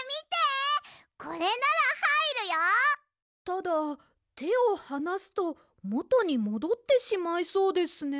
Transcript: ただてをはなすともとにもどってしまいそうですね。